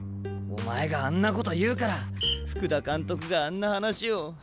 お前があんなこと言うから福田監督があんな話を。